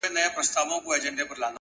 هره هڅه د ځان پېژندنې برخه ده,